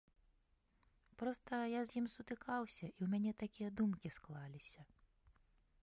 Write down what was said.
Проста я з ім сутыкаўся і ў мяне такія думкі склаліся.